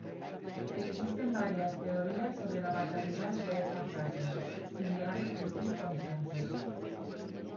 Existen varias teorías sobre la paternidad de esta frase, sin llegar a existir consenso.